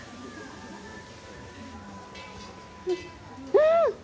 うん！